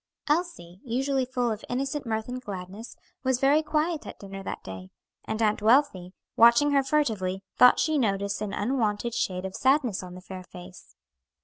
Elsie, usually full of innocent mirth and gladness, was very quiet at dinner that day, and Aunt Wealthy, watching her furtively, thought she noticed an unwonted shade of sadness on the fair face.